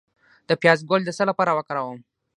د پیاز ګل د څه لپاره وکاروم؟